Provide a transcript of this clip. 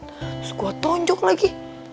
terus gue tonjok lagi